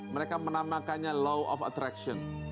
mereka menamakannya law of attraction